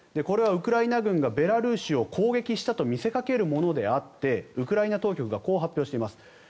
これはウクライナ軍がベラルーシを攻撃したと見せかけるものであってウクライナ当局がこう発表しています。